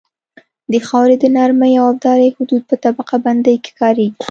د خاورې د نرمۍ او ابدارۍ حدود په طبقه بندۍ کې کاریږي